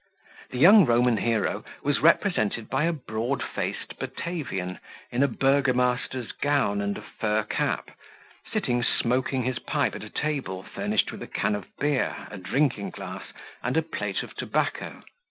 The young Roman hero was represented by a broadfaced Batavian, in a burgomaster's gown and a fur cap, sitting smoking his pipe at a table furnished with a can of beer, a drinking glass, and a plate of tobacco.